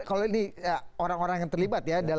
kalau ini orang orang yang terlibat ya